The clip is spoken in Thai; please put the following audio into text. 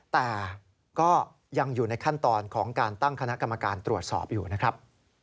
แต่ก็ยังอยู่ในขั้นตอนของการตั้งคณะกรรมการตรวจสอบอยู่นะครับ